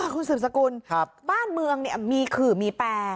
คุณสืบสกุลบ้านเมืองมีขื่อมีแปร